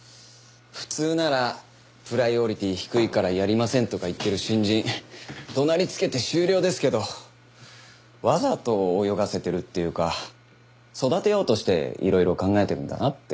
普通なら「プライオリティ低いからやりません」とか言ってる新人怒鳴りつけて終了ですけどわざと泳がせてるっていうか育てようとしていろいろ考えてるんだなって。